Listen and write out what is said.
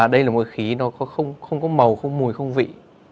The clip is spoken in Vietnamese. đây là một khí không có màu không mùi không vị